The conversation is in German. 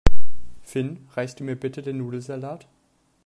Finn, reichst du mir bitte den Nudelsalat?